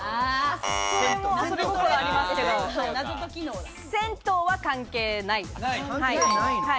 それも遊び心ありますけれども、銭湯は関係ない。